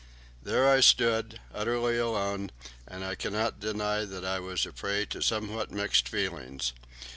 There I stood, utterly alone, and I cannot deny that I was a prey to somewhat mixed feelings.